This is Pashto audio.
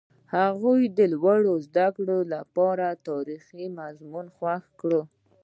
هغه د لوړو زده کړو لپاره د تاریخ مضمون خوښ کړ.